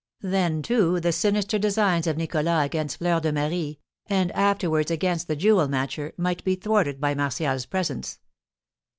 Then, too, the sinister designs of Nicholas against Fleur de Marie, and afterwards against the jewel matcher, might be thwarted by Martial's presence.